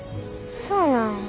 そうなんや。